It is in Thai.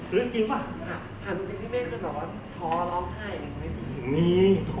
หรือจริงก่อน